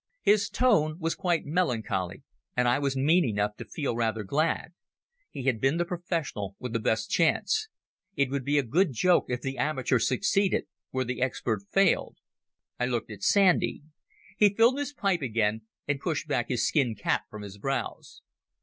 His tone was quite melancholy, and I was mean enough to feel rather glad. He had been the professional with the best chance. It would be a good joke if the amateur succeeded where the expert failed. I looked at Sandy. He filled his pipe again, and pushed back his skin cap from his brows.